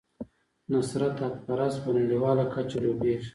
نصرت حقپرست په نړیواله کچه لوبیږي.